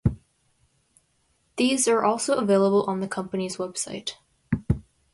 These are also available on the company's website.